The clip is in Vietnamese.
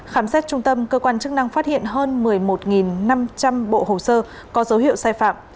khám xét trung tâm cơ quan chức năng phát hiện hơn một mươi một năm trăm linh bộ hồ sơ có dấu hiệu sai phạm